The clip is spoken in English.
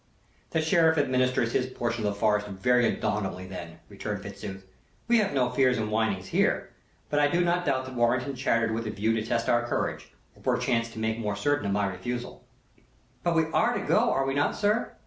"The Sheriff administers his portion of the forest very abominably then," returned Fitzooth. "We have no fears and whinings here; but I do not doubt that Warrenton chattered with a view to test our courage, or perchance to make more certain of my refusal." "But we are to go, are we not, sir?"